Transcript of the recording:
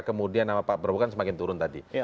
kemudian nama pak berobokan semakin turun tadi